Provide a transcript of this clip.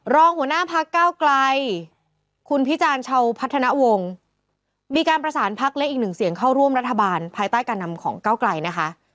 รองหัวหน้าพักเก้าไกลคุณพิจารณ์ชาวพัฒนาวงศ์มีการประสานพักเล็กอีกหนึ่งเสียงเข้าร่วมรัฐบาลภายใต้การนำของก้าวไกลนะคะ